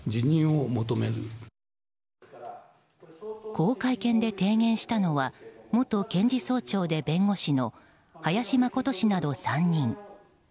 こう会見で提言したのは元検事総長で弁護士の林眞琴氏など３人。